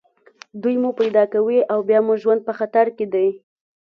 دوی مو پیدا کوي او بیا مو ژوند په خطر کې دی